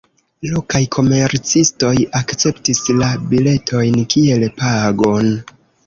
Lokaj komercistoj akceptis la biletojn kiel pagon.